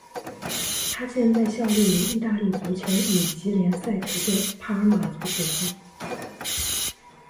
他现在效力于意大利足球乙级联赛球队帕尔马足球会。